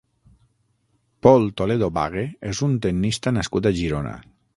Pol Toledo Bague és un tennista nascut a Girona.